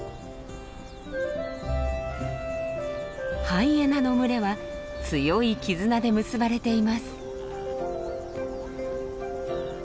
ハイエナの群れは強い絆で結ばれています。